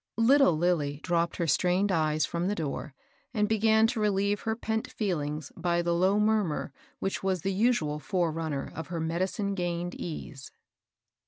Little Lilly dropped her strained eyes from the door, and began to reheve her pent feelings by the low murmur which was the usual forerunner of her medicine gained ease.